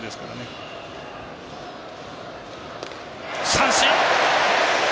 三振！